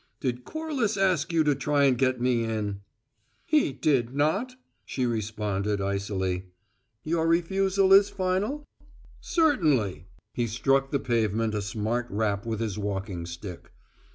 "Did Corliss ask you to try and get me in?" "He did not," she responded, icily. "Your refusal is final?" "Certainly!" He struck the pavement a smart rap with his walking stick.